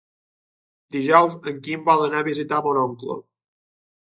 Dijous en Quim vol anar a visitar mon oncle.